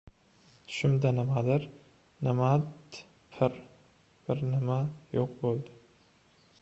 Tushimda nimadir... nimadpr bir nima yo‘q bo‘ldi.